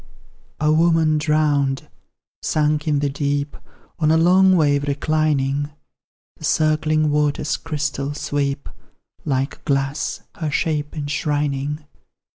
A woman drowned sunk in the deep, On a long wave reclining; The circling waters' crystal sweep, Like glass, her shape enshrining.